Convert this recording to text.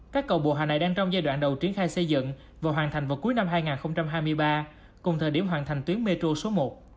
các cầu bộ hà này đang trong giai đoạn đầu triển khai xây dựng và hoàn thành vào cuối năm hai nghìn hai mươi ba cùng thời điểm hoàn thành tuyến metro số một